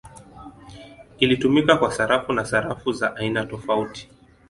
Ilitumika kwa sarafu na sarafu za aina tofauti.